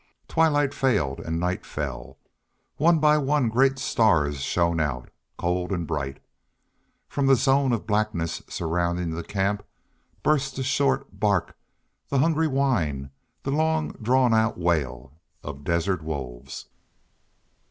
Twilight failed and night fell; one by one great stars shone out, cold and bright. From the zone of blackness surrounding the camp burst the short bark, the hungry whine, the long drawn out wail of desert wolves.